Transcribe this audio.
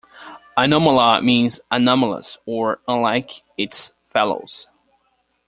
'Anomala' means 'anomalous' or 'unlike its fellows'.